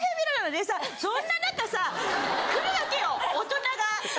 でさそんな中さ来るわけよ大人が。